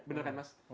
bener kan mas